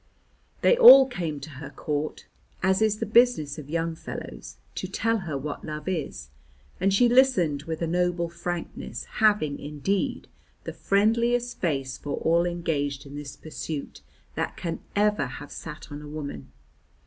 They all came to her court, as is the business of young fellows, to tell her what love is, and she listened with a noble frankness, having, indeed, the friendliest face for all engaged in this pursuit that can ever have sat on woman.